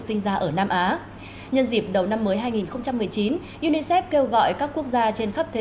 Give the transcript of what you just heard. sinh ra ở nam á nhân dịp đầu năm mới hai nghìn một mươi chín unicef kêu gọi các quốc gia trên khắp thế